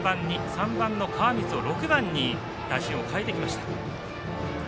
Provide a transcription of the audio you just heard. ３番の川満を６番に打順を変えてきました。